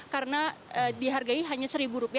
karena dihargai hanya rp satu